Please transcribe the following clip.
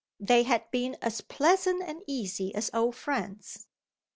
They had been as pleasant and easy as old friends.